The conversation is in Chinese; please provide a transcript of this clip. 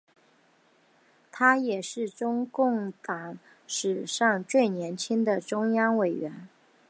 他也是中共党史上最年轻的中央委员。